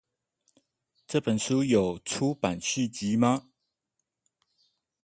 這本書有出版續集嗎？